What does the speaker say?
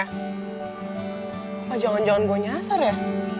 oh jangan jangan gue nyasar ya